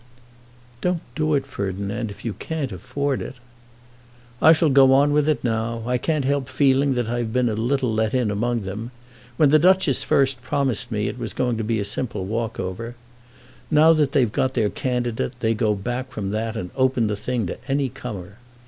"Don't do it, Ferdinand, if you can't afford it." "I shall go on with it now. I can't help feeling that I've been a little let in among them. When the Duchess first promised me it was to be a simple walk over. Now that they've got their candidate, they go back from that and open the thing to any comer.